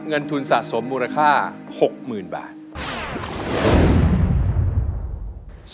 เงินทุนสะสมมูลค่า๖๐๐๐บาท